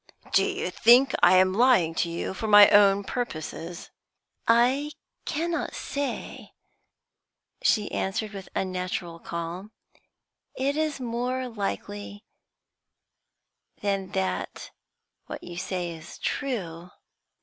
'Do you think I am lying to you for my own purposes?' 'I cannot say,' she answered, with unnatural calm. 'It is more likely than that what you say is true.'